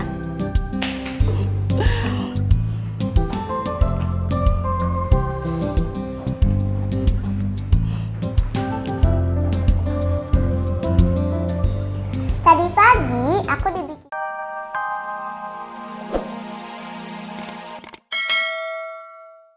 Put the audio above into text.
tadi pagi aku dibikin